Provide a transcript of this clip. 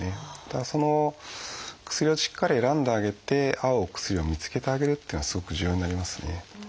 だから薬をしっかり選んであげて合うお薬を見つけてあげるっていうのがすごく重要になりますね。